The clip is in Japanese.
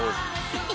ハハハッ。